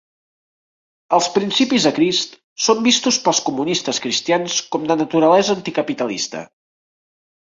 Els principis de Crist són vistos pels comunistes cristians com de naturalesa anticapitalista.